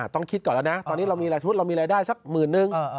ต้องคิดก่อนแล้วนะตอนนี้เรามีรายธุเรามีรายได้สักหมื่นนึง